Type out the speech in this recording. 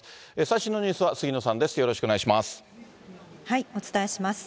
最新のニュースは杉野さんです。